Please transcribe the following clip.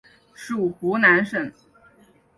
属湖南省。